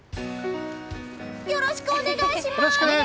よろしくお願いします！